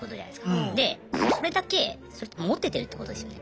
それだけそれってモテてるってことですよね？